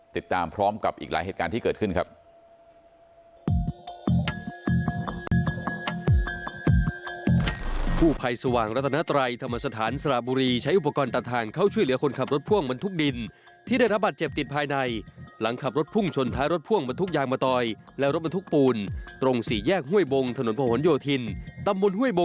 ติดตามพร้อมกับอีกหลายเหตุการณ์ที่เกิดขึ้นครับ